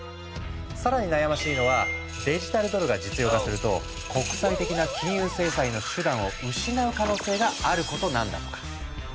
更に悩ましいのはデジタルドルが実用化すると国際的な金融制裁の手段を失う可能性があることなんだとか。